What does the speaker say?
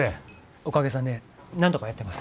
おかげさんでなんとかやってます。